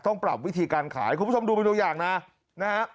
ต้องปรับวิธีการขายคุณผู้ชมดูเป็นตัวอย่างนะนะฮะ